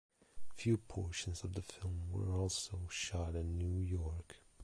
Few portions of the film were also shot in New York.